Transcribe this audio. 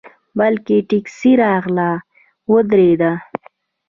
بله ټیکسي راغله ودرېده.